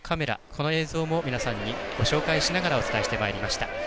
この映像も皆さんにご紹介しながらお伝えしてきました。